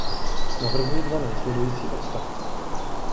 Navrhuji dva následující odstavce.